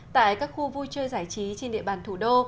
tại các khu vui chơi giải trí trên địa bàn thủ đô